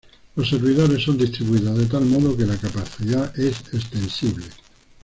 Los servidores son distribuidos de tal modo que la capacidad es extensible.